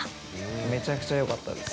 めちゃくちゃよかったです。